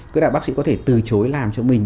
tức là bác sĩ có thể từ chối làm cho mình